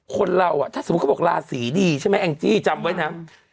คนเราอ่ะถ้าสมมุติเค้าบอกลาสีดีใช่ไหมจำไว้นะ